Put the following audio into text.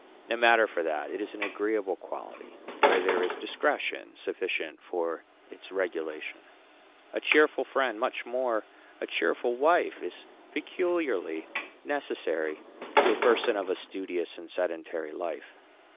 No matter for that; it is an agreeable quality, where there is discretion sufficient for its regulation. A cheerful friend, much more a cheerful wife, is peculiarly necessary to a person of a studious and sedentary life.